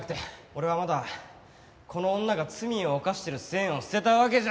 俺はまだこの女が罪を犯してる線を捨てたわけじゃないからなあ！